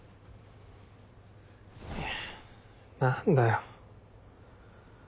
何だよ。